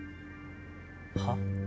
はっ？